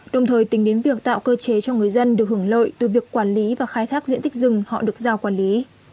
đồng thời tính đến việc tạo cơ chế cho người dân được hưởng lợi từ việc quản lý và khai thác diện tích rừng họ được giao quản lý